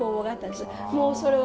もうそれは。